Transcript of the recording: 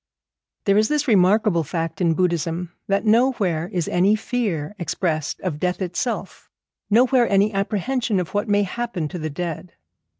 There is this remarkable fact in Buddhism, that nowhere is any fear expressed of death itself, nowhere any apprehension of what may happen to the dead.